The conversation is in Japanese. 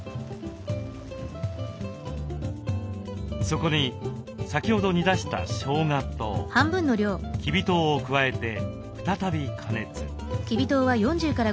そこに先ほど煮出したしょうがときび糖を加えて再び加熱。